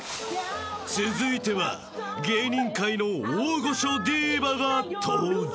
［続いては芸人界の大御所ディーバが登場］